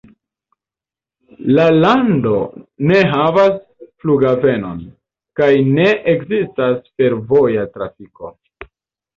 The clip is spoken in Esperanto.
La lando ne havas flughavenon, kaj ne ekzistas fervoja trafiko.